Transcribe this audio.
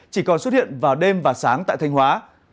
chỉ còn xuất hiện vào đêm và sáng tại thanh hóa